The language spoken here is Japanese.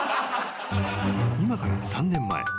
［今から３年前］